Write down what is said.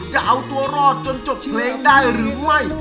จะเอาตัวรอดจนจบเพลงได้หรือไม่